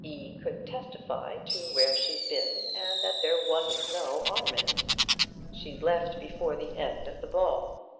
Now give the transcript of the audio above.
'E could testify to where she'd been and that there wasn't no 'arm in it. She'd left before the end of the ball.